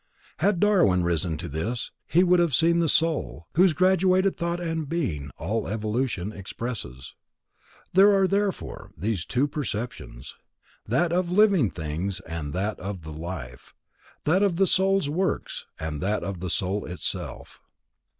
Had Darwin risen to this, he would have seen the Soul, whose graduated thought and being all evolution expresses. There are, therefore, these two perceptions: that of living things, and that of the Life; that of the Soul's works, and that of the Soul itself.